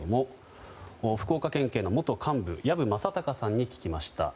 福岡県警の元幹部藪正孝さんに聞きました。